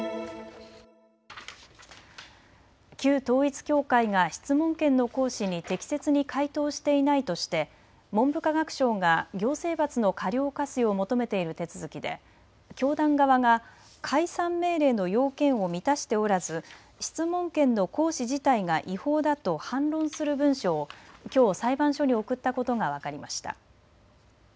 旧統一教会が質問権の行使に適切に回答していないとして文部科学省が行政罰の過料を科すよう求めている手続きで教団側が解散命令の要件を満たしておらず質問権の行使自体が違法だと反論する文書をきょう裁判所に送ったことが分かりました。